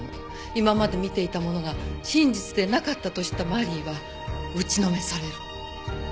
今まで見ていたものが真実でなかったと知ったマリーは打ちのめされる。